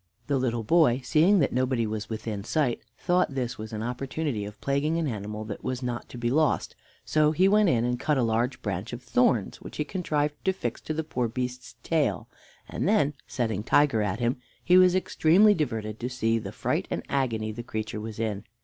The little boy, seeing that nobody was within sight, thought this was an opportunity of plaguing an animal that was not to be lost, so he went and cut a large branch of thorns, which he contrived to fix to the poor beast's tail, and then, setting Tiger at him, he was extremely diverted to see the fright and agony the creature was in.